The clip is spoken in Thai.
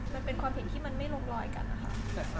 มันเป็นความเห็นที่มันไม่ลงรอยกันนะคะ